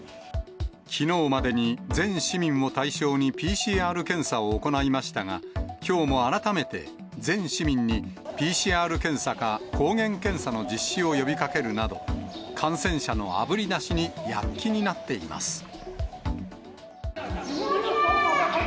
きのうまでに全市民を対象に、ＰＣＲ検査を行いましたが、きょうも改めて、全市民に、ＰＣＲ検査か抗原検査の実施を呼びかけるなど、感染者のあぶり出しに躍起になっています。